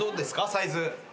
サイズ。